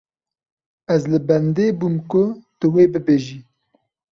Ez li bendê bûm ku tu wê bibêjî.